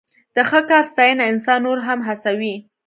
د ښه کار ستاینه انسان نور هم هڅوي.